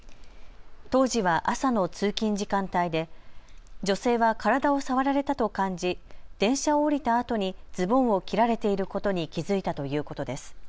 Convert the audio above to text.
当時は朝の通勤時間帯で女性は体を触られたと感じ電車を降りたあとにズボンを切られていることに気付いたということです。